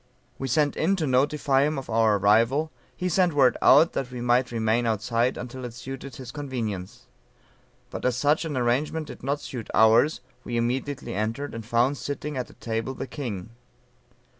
"We sent in to notify him of our arrival; he sent word out that we might remain outside until it suited his convenience. But as such an arrangement did not suit ours, we immediately entered, and found sitting at a table the king.